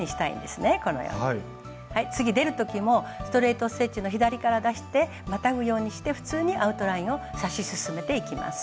次出る時もストレート・ステッチの左から出してまたぐようにして普通にアウトラインを刺し進めていきます。